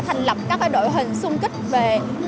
thành lập các đội hình xung kích